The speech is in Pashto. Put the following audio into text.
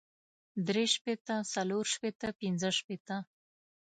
درې شپېته څلور شپېته پنځۀ شپېته